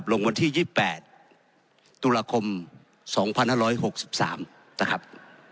ลงวันที่๒๘ตุลาคม๒๕๖๓นะครับ